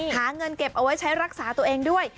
หาเงินเก็บเอาไว้ใช้รักษาตัวเองด้วย